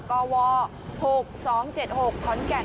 กว๖๒๗๖ขอนแก่น